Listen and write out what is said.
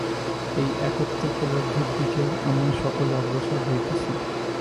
এই একত্ব উপলব্ধির দিকেই আমরা সকলে অগ্রসর হইতেছি।